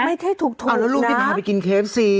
ไม่ได้ถูกถูกนะเอาแล้วลูกที่พาไปกินเคฟซี